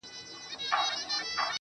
خلق وايي خراب شوي يې خيالات يې